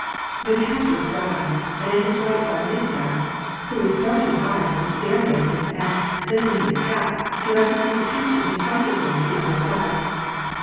The count looked round, and at his right saw Mitka, who, with starting eyes, was staring at him, and, lifting his cap, directed his attention in front of him to the other side.